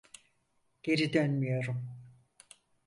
Geri dönmüyorum.